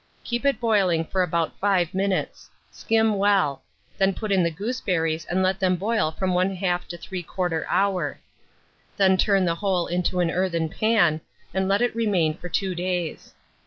Keep it boiling for about 5 minutes; skim well; then put in the gooseberries, and let them boil from 1/2 to 3/4 hour; then turn the whole into an earthen pan, and let it remain for 2 days.